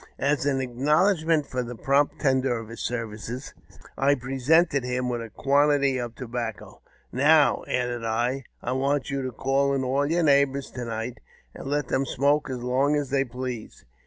As an acknowledgment for the prompt tender of his services, I presented him with a quantity of tobacco. "Now," added I, ''I want you to call in all your neighbours to night, and let them smoke as long as they please.